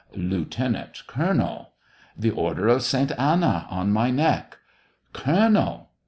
. lieu tenant colonel ... the Order of St. Anna on my neck ... colonel